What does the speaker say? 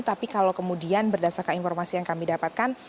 tapi kalau kemudian berdasarkan informasi yang kami dapatkan